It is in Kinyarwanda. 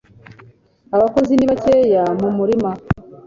abakozi ni bakeya mu murima